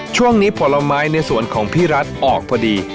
ช่วงนี้ผลไม้ในสวนของพี่รัฐออกพอดี